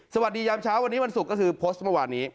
ยามเช้าวันนี้วันศุกร์ก็คือโพสต์เมื่อวานนี้